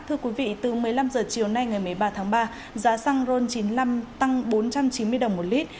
thưa quý vị từ một mươi năm h chiều nay ngày một mươi ba tháng ba giá xăng ron chín mươi năm tăng bốn trăm chín mươi đồng một lít